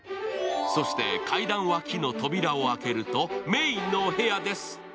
そして階段脇の扉を開けるとメインのお部屋です。